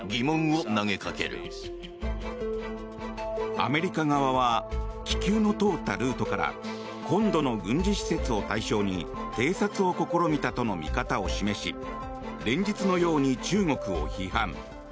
アメリカ側は気球の通ったルートから本土の軍事施設を対象に偵察を試みたとの認識を示し連日のように中国を批判。